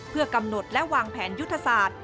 เพื่อกำหนดและวางแผนยุทธศาสตร์